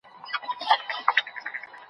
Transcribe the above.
د کتابچې پاڼې د زده کوونکي د هڅو شاهدانې دي.